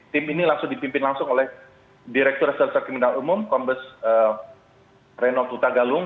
tim ini langsung dipimpin langsung oleh direktur resursa kriminal umum kombes renov tuta galung